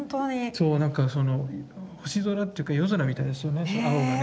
そうなんかその星空っていうか夜空みたいですよね